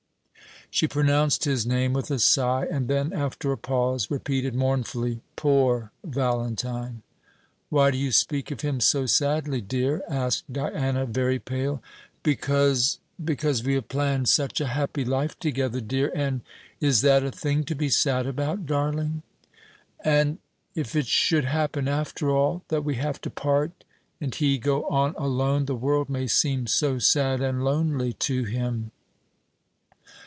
She pronounced his name with a sigh; and then, after a pause, repeated mournfully, "Poor Valentine!" "Why do you speak of him so sadly, dear?" asked Diana, very pale. "Because because we have planned such a happy life together, dear, and " "Is that a thing to be sad about, darling?" "And if it should happen, after all, that we have to part, and he go on alone, the world may seem so sad and lonely to him."